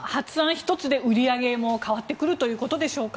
１つで売り上げも変わってくるということでしょうか。